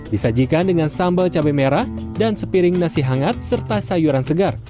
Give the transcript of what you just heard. disajikan dengan sambal cabai merah dan sepiring nasi hangat serta sayuran segar